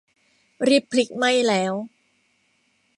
รีบพลิก ไหม้แล้ว